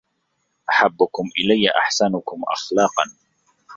أَحَبُّكُمْ إلَيَّ أَحْسَنكُمْ أَخْلَاقًا